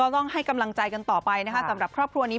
ต้องให้กำลังใจกันต่อไปนะคะสำหรับครอบครัวนี้